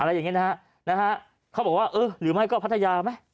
อะไรอย่างเงี้นะฮะนะฮะเขาบอกว่าเออหรือไม่ก็พัทยาไหม